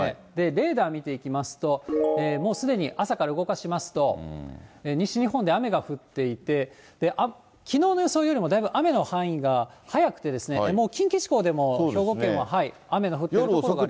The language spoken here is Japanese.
レーダー見ていきますと、もうすでに、朝から動かしますと、西日本で雨が降っていて、きのうの予想よりもだいぶ雨の範囲が早くてですね、もう近畿地方でも兵庫県は雨が降っている所があります。